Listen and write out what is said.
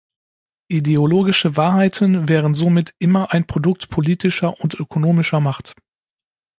Ideologische Wahrheiten wären somit immer ein Produkt politischer und ökonomischer Macht.